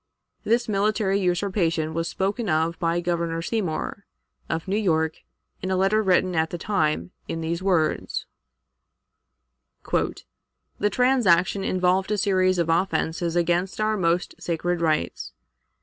This military usurpation was spoken of by Governor Seymour, of New York, in a letter written at the time, in these words: "The transaction involved a series of offenses against our most sacred rights.